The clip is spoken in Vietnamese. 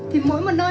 thì mỗi một nơi